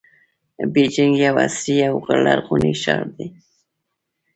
بیجینګ یو عصري او لرغونی ښار دی.